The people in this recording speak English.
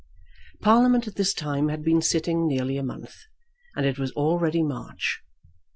Parliament at this time had been sitting nearly a month, and it was already March.